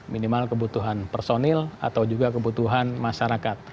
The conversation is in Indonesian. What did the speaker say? minimal kebutuhan personil atau juga kebutuhan masyarakat